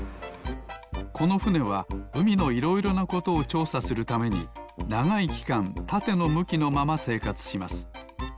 このふねはうみのいろいろなことをちょうさするためにながいきかんたてのむきのまませいかつします。